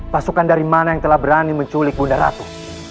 pasukan dari mana yang telah berani menculik bunda ratu